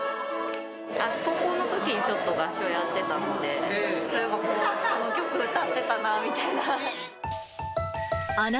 高校のときにちょっと合唱をやってたので、そういえばこの曲歌ってたなぁみたいな。